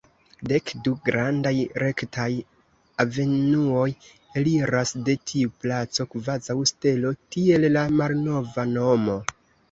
Dek-du grandaj rektaj avenuoj eliras de tiu placo kvazaŭ stelo, tiel la malnova nomo.